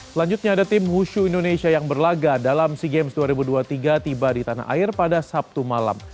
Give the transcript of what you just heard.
selanjutnya ada tim wushu indonesia yang berlaga dalam sea games dua ribu dua puluh tiga tiba di tanah air pada sabtu malam